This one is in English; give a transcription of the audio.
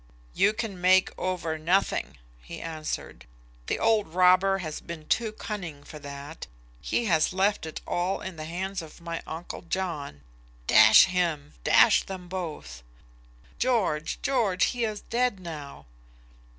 "You can make over nothing," he answered. "The old robber has been too cunning for that; he has left it all in the hands of my uncle John. D him. D them both." "George! George! he is dead now."